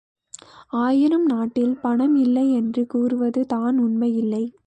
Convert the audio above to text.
ஆயினும் நாட்டில் பணம் இல்லை என்று கூறுவது தான் உண்மையில்லை!